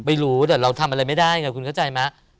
ไม่รู้แต่เราทำอะไรไม่ได้ไงคุณเข้าใจไหม